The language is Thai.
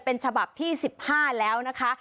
เป็นฉบับที่๑๕แล้วนะคะ